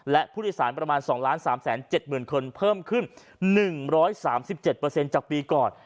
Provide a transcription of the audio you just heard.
และผู้โดยสารประมาณ๒๓๗๗๐๐๐คนเพิ่มขึ้น๑๓๗เปอร์เซ็นต์จากปีก่อน